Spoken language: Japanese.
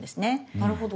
なるほど。